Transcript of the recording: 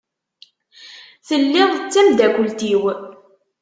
Telliḍ d tamdakelt-iw.